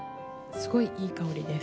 すごいいい香りです。